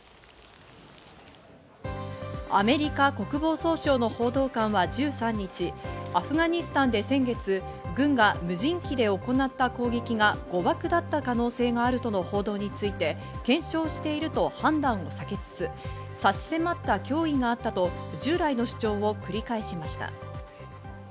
アメリカ国防総省の報道官は１３日、アフガニスタンで先月、軍が無人機で行った攻撃が誤爆だった可能性があるとの報道について検証していると判断を避けつつ差し迫った脅威があったと従来の主張を繰り返しました。